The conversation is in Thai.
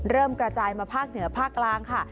กระจายมาภาคเหนือภาคกลางค่ะ